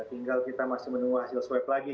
tinggal kita masih menunggu hasil swab lagi